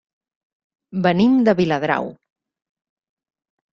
Venim de Viladrau.